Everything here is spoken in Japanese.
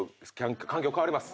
環境変わります。